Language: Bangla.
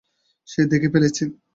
সে দেখে ফেলেছে!